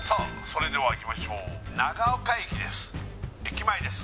それではいきましょう長岡駅です